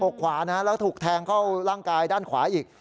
ขวานะแล้วถูกแทงเข้าร่างกายด้านขวาอีก